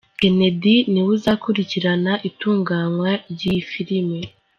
Kennedy ni we uzakurikirana itunganywa ry'iyi filimi.